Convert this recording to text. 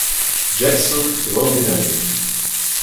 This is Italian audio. Jackson Rondinelli